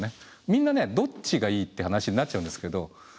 みんなねどっちがいいって話になっちゃうんですけど。